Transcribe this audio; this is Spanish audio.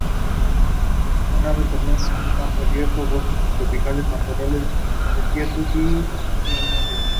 Es un ave común en campo abierto, bosques subtropicales, matorrales, desiertos y el piemonte.